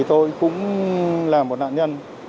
tôi cũng là một nạn nhân